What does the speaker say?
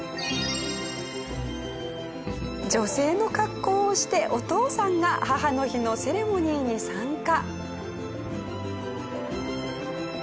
女性の格好をしてお父さんが母の日のセレモニーに参加。